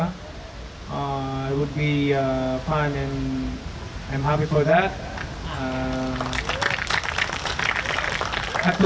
itu akan menjadi menyeronokkan dan saya senang untuk itu